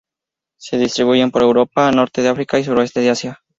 Se distribuyen por Europa, Norte de África y Suroeste de Asia.